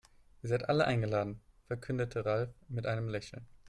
Ihr seid alle eingeladen, verkündete Ralf mit einem Lächeln.